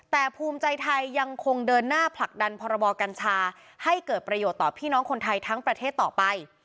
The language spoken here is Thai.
แต่ภูมิใจไทยยังคงเดินหน้าผลักดันพรบกัญชาให้เกิดประโยชน์ต่อพี่น้องคนไทยทั้งประเทศต่อไป